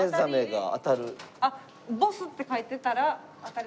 「ボス」って書いてたら当たり？